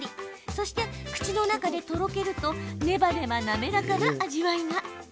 そして、口の中でとろけるとネバネバ滑らかな味わいが。